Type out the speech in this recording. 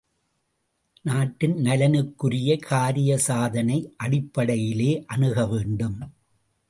நாட்டின் நலனுக்குரிய காரிய சாதனை அடிப்படையிலேயே அணுக வேண்டும்!